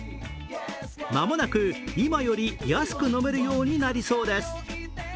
間もなく今より安く飲めるようになりそうです